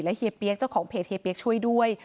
เฮียเปี๊ยกเจ้าของเพจเฮียเปี๊ยกช่วยด้วย